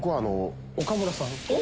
岡村さん。